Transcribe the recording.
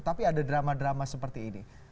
tapi ada drama drama seperti ini